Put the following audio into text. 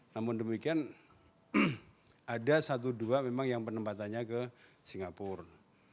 namun demikian ada satu dua memang yang penempatannya ke singapura